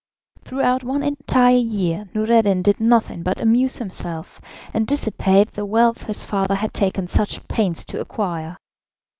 Throughout one entire year Noureddin did nothing but amuse himself, and dissipate the wealth his father had taken such pains to acquire.